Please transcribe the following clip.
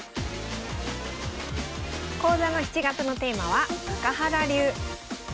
講座の７月のテーマは中原流。